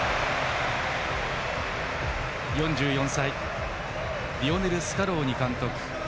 ４４歳リオネル・スカローニ監督。